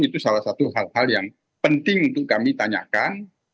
itu salah satu hal hal yang penting untuk kami tanyakan